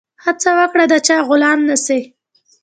هڅه وکړه د چا غلام نه سي.